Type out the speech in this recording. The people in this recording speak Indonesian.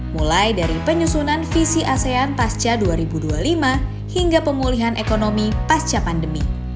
mulai dari penyusunan visi asean pasca dua ribu dua puluh lima hingga pemulihan ekonomi pasca pandemi